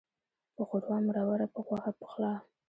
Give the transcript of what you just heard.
په ښوروا مروره، په غوښه پخلا.